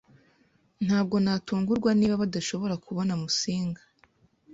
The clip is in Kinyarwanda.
Ntabwo natungurwa niba badashobora kubona Musinga.